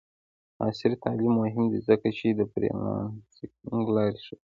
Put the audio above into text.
عصري تعلیم مهم دی ځکه چې د فریلانسینګ لارې ښيي.